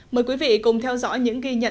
mời quý vị cùng theo dõi